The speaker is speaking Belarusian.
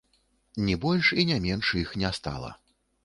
Ні больш і ні менш іх не стала.